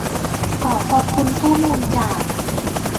ขอขอบคุณข้อมูลจาก